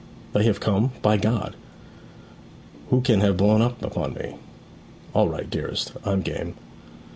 'They have come? By God! who can have blown upon me? All right, dearest. I'm game.'